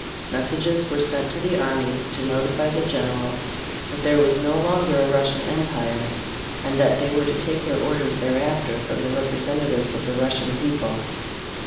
Messages were sent to the armies to notify the generals that there was no longer a Russian Empire and that they were to take their orders thereafter from the representatives of the Russian people.